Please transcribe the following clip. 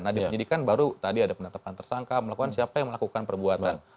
nah di penyidikan baru tadi ada penetapan tersangka melakukan siapa yang melakukan perbuatan